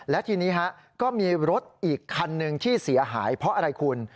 และทีนี้ก็มีรถอีกคันหนึ่งที่เสียหายเพราะอะไรคุณ